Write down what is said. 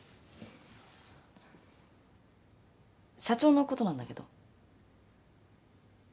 社長のことなんだけど。